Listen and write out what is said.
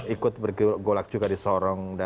ikut bergolak juga di sorong